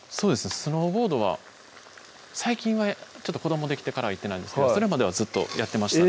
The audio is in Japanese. スノーボードは最近は子どもできてからは行ってないんですけどそれまではずっとやってましたね